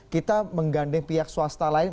kita menggandeng pihak swasta lain